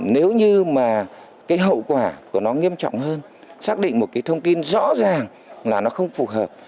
nếu như mà cái hậu quả của nó nghiêm trọng hơn xác định một cái thông tin rõ ràng là nó không phù hợp